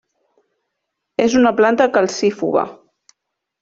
És una planta calcífuga.